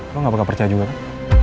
lo gak bakal percaya juga kan